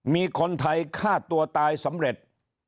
มีคนไทยฆ่าตัวตายสำเร็จ